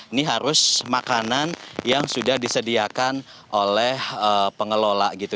ini harus makanan yang sudah disediakan oleh pengelola gitu